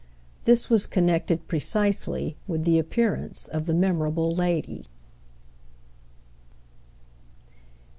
This was connected precisely with the appearance of the memorable lady.